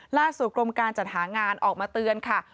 กรมการจัดหางานออกมาเตือนค่ะ